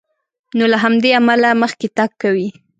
نو له همدې امله مخکې تګ کوي.